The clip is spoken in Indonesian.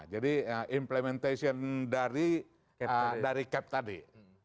jadi implementation dari cap tadi